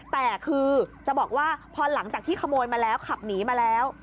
แต่คือจะบอกว่าพอหลังจากที่ขโมยมาแล้วขับหนีมาแล้ว